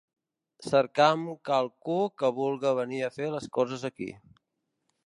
Cercam qualcú que vulga venir a fer les coses aquí.